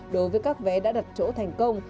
đối với các vé đã đặt chỗ thành công